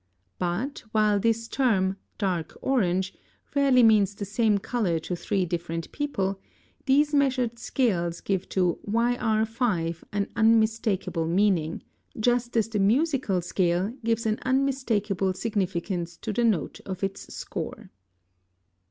But, while this term "dark orange" rarely means the same color to three different people, these measured scales give to YR5 an unmistakable meaning, just as the musical scale gives an unmistakable significance to the notes of its score.